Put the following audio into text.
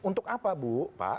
untuk apa bu pak